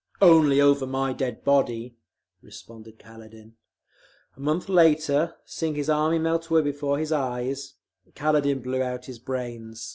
"Only over my dead body," responded Kaledin. A month later, seeing his army melt away before his eyes, Kaledin blew out his brains.